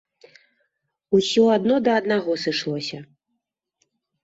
Усё адно да аднаго сышлося.